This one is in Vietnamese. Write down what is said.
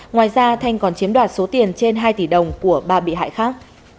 ngoài ra thanh còn chiếm đoạt số tiền trên hai tỷ đồng của ba bị hại khác